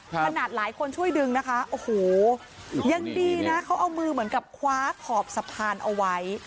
ขนาดหลายคนช่วยดึงนะคะโอ้โหยังดีนะเขาเอามือเหมือนกับคว้าขอบสะพานเอาไว้